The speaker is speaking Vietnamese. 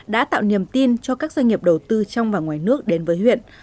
đã tạo niềm tin cho các doanh nghiệp đầu tư trong và ngoài nước đến với huyện